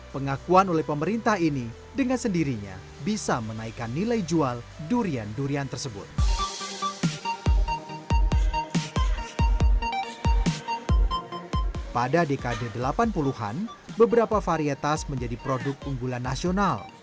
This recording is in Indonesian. pada dekade delapan puluh an beberapa varietas menjadi produk unggulan nasional